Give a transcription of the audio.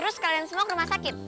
terus kalian semua ke rumah sakit